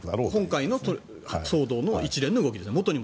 今回の騒動の一連の動きですね。